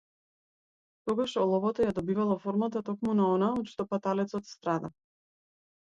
Тогаш оловото ја добивало формата токму на она од што паталецот страда.